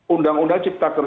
undang undang cipta kerja